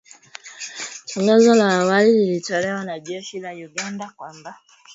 tangazo la awali lililotolewa na jeshi la Uganda kwamba